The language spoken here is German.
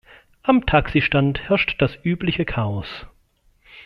Am Taxistand herrschte das übliche Chaos.